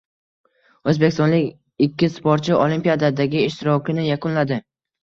O‘zbekistonlik ikki sportchi Olimpiadadagi ishtirokini yakunladi